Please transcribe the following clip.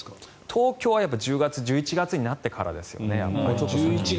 東京は１０月、１１月になってからですよね。